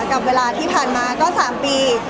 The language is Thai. กับเวลาที่ผ่านมาก็๓ปี